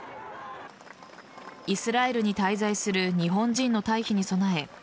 イスラエルに滞在する日本人の退避に備え